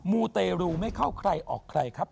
มูเตรูไม่เข้าใครออกใครครับ